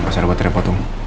gak usah bertaipat dong